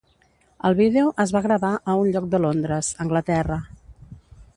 El vídeo es va gravar a un lloc de Londres, Anglaterra.